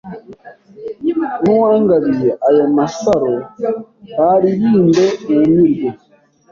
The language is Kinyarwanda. N'uwangabiye ayo masaro Baririmbe wumirwe,